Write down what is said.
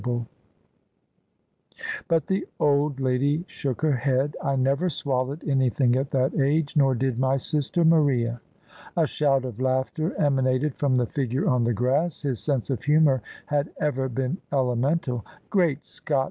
THE SUBJECTION But the old lady shook her head. " I never swallowed anything at that age: nor did my sister Maria." A shout of laughter emanated from the figure on the grass : his sense of humour had ever been elemental. " Great Scott!